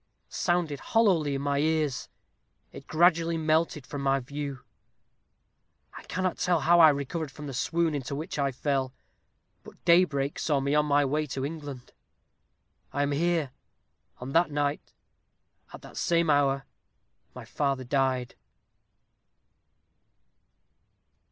sounded hollowly in my ears, it gradually melted from my view. I cannot tell how I recovered from the swoon into which I fell, but daybreak saw me on my way to England. I am here. On that night at that same hour, my father died."